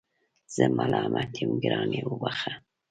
زه ملامت یم ګرانې وبخښه